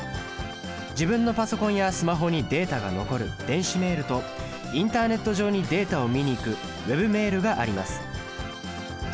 自分のパソコンやスマホにデータが残る電子メールとインターネット上にデータを見に行くＷｅｂメールがあります。